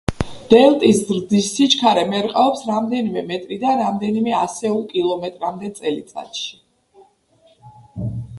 დელტის ზრდის სიჩქარე მერყეობს რამდენიმე მეტრიდან რამდენიმე ასეულ კილომეტრამდე წელიწადში.